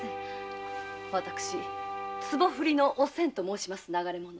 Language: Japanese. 私ツボ振りのおせんと申します流れ者。